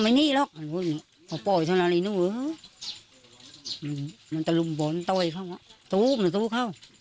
มันตะลุ่มบ่อนต๋อยเข้ามาตูบตะลุ่มเข้า